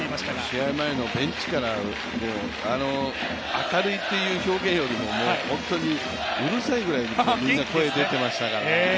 試合前のベンチから明るいという表現よりもホントにうるさいぐらいにみんな声出てましたから。